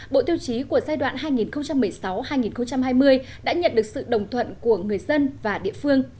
bộ tiêu chí của giai đoạn hai nghìn một mươi sáu hai nghìn hai mươi đã nhận được sự đồng thuận của người dân và địa phương